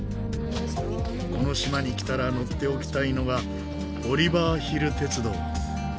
この島に来たら乗っておきたいのがオリバー・ヒル鉄道。